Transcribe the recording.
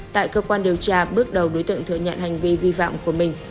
tại cơ quan điều tra bước đầu đối tượng thừa nhận hành vi vi phạm của mình